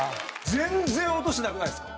全然音しなくないですか？